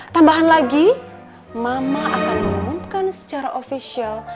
tambahan lagi mama akan mengumumkan secara ofisial